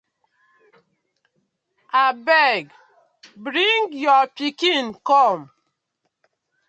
I beg bring yo pikin kom.